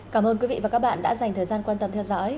cảm ơn quý vị và các bạn đã dành thời gian quan tâm theo dõi